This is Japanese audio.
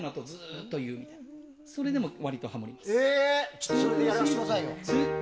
ちょっとそれでやらせてくださいよ。